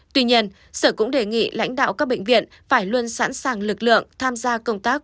tuy nhiên sở cũng đề nghị lãnh đạo các bệnh viện phải luôn sẵn sàng lực lượng tham gia công tác